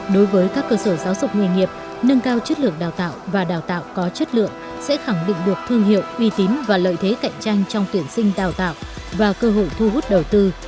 đối với các cơ sở giáo dục nghề nghiệp nâng cao chất lượng đào tạo và đào tạo có chất lượng sẽ khẳng định được thương hiệu uy tín và lợi thế cạnh tranh trong tuyển sinh đào tạo và cơ hội thu hút đầu tư